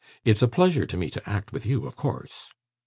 It's a pleasure to me to act with you, of course.